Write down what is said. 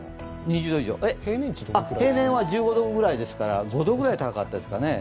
平年は１５度ぐらいですから５度ぐらい高かったですかね。